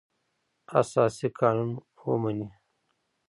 اساسي قانون ومني.